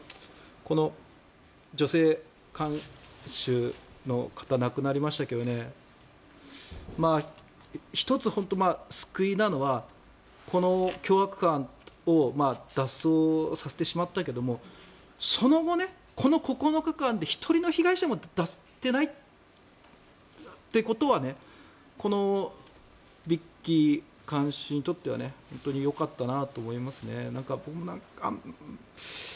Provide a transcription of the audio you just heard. この女性看守の方亡くなりましたけど１つ救いなのはこの凶悪犯を脱走させてしまったけどその後、この９日間で１人の被害者も出していないってことはこのビッキー看守にとっては本当によかったなと思いますね。